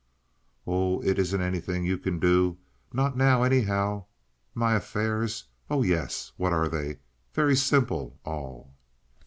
"Oh, it isn't anything you can do—not now, anyhow. My affairs! Oh yes. What are they? Very simple, all."